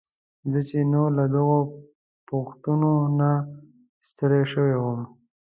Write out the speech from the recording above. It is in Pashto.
زه چې نور له دغو پوښتنو نه ستړی شوی وم.